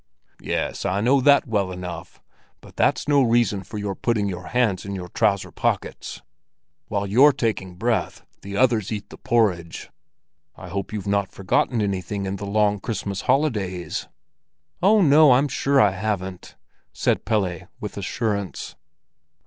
"Yes, I know that well enough, but that's no reason for your putting your hands in your trouser pockets; while you're taking breath, the others eat the porridge. I hope you've not forgotten anything in the long Christmas holidays?" "Oh, no, I'm sure I haven't!" said Pelle, with assurance.